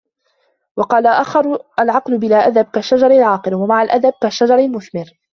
وَقَالَ آخَرُ الْعَقْلُ بِلَا أَدَبٍ كَالشَّجَرِ الْعَاقِرِ ، وَمَعَ الْأَدَبِ كَالشَّجَرِ الْمُثْمِرِ